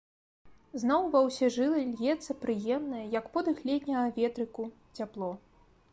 Зноў ва ўсе жылы льецца прыемнае, як подых летняга ветрыку, цяпло.